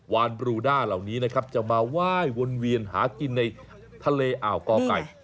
วานบรูด้าเหล่านี้นะครับจะมาไหว้วนเวียนหากินในทะเลอ่าวกอไก่